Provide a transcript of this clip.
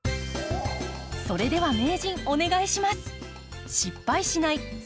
それでは名人お願いします。